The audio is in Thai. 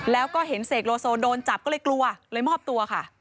แล้วก็เห็นเสกโลโซโดนจับก็เลยกลัวเลยมอบตัวค่ะ